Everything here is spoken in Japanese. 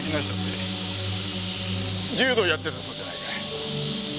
柔道やってたそうじゃないか。